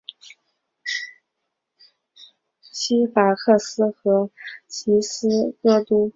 西法克斯与吉斯戈都被大西庇阿的个人魅力所折服。